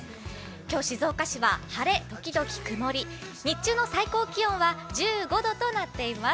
今日静岡市は晴れ時々曇り、日中の最高気温は１５度となっています。